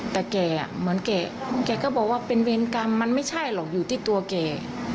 แต่แกเหมือนแกก็บอกว่าเป็นเวรกรรมมันไม่ใช่หรอกอยู่ที่ตัวแก